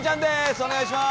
お願いいたします。